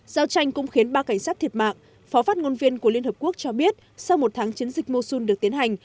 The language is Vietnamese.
giao tranh cũng khiến ba cảnh sát thiệt mạng phó phát ngôn viên của liên hợp quốc cho biết sau một tháng chiến dịch mosun được tiến hành